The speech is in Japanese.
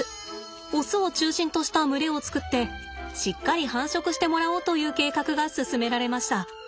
オスを中心とした群れを作ってしっかり繁殖してもらおうという計画が進められました。